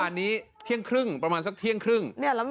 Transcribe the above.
โอ้โหเสียดร่มมือเกลียวกราว